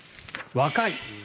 若い。